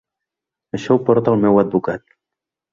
Això ho porta el meu advocat.